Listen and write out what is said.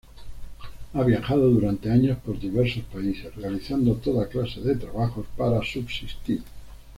Ha viajado durante años por diversos países, realizando toda clase de trabajos para subsistir.